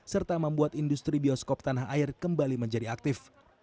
serta membuat industri bioskop tanah air kembali menjadi aktif